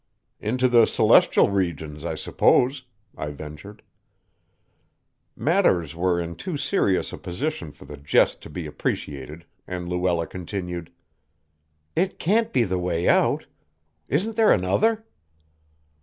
"Into the celestial regions, I suppose," I ventured. Matters were in too serious a position for the jest to be appreciated, and Luella continued: "It can't be the way out. Isn't there another?"